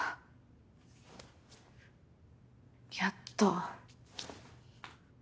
やっと。